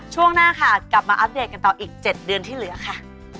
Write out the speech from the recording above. ช่วงหน้าค่ะกลับมาอัปเดตกันต่ออีก๗เดือนที่เหลือค่ะ